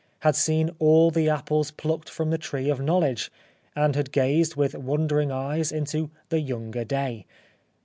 had seen all the apples plucked from the tree of knowledge, and had gazed with wondering eyes into * the younger day.'